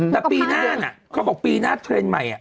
แต่ปีหน้าน่ะเขาบอกปีหน้าเทรนด์ใหม่